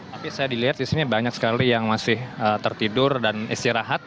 tapi saya dilihat di sini banyak sekali yang masih tertidur dan istirahat